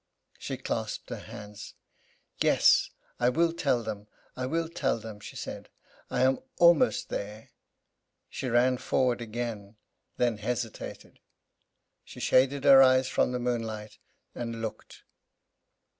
She clasped her hands. "Yes, I will tell them, I will tell them!" she said; "I am almost there!" She ran forward again, then hesitated. She shaded her eyes from the moonlight, and looked.